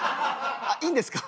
あっいいんですか？